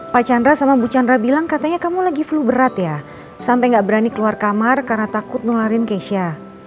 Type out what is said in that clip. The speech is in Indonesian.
pak chandra sama bu chandra bilang katanya kamu lagi flu berat ya sampai gak berani keluar kamar karena takut nularin keisha